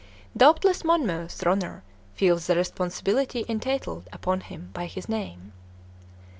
Doubtless Monmouth Ronner feels the responsibility entailed upon him by his name.